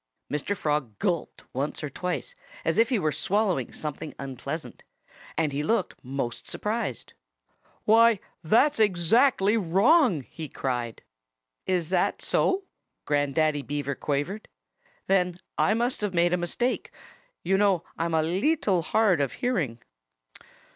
Mr. Frog gulped once or twice, as if he were swallowing something unpleasant. And he looked most surprised. "Why, that's exactly wrong!" he cried. "Is that so?" Grandaddy Beaver quavered. "Then I must have made a mistake. You know I'm a leetle hard of hearing."